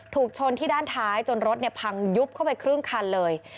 ถูกชนที่ด้านท้ายจนรถพังยุบเข้าไปครึ่งคันเลย